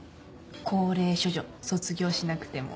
高齢処女卒業しなくても。